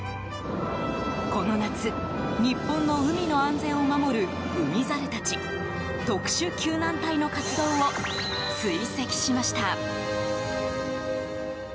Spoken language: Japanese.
この夏日本の海の安全を守る海猿たち特殊救難隊の活動を追跡しました。